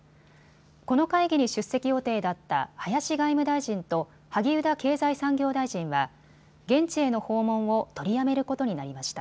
この会議に出席予定だった林外務大臣と萩生田経済産業大臣は現地への訪問を取りやめることになりました。